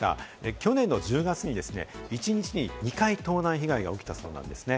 去年の１０月に一日に２回盗難被害が起きたそうなんですね。